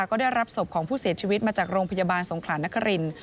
ก็ได้รับศพของผู้เสียชีวิตมาจากโรงพยาบาลสงขลานคริน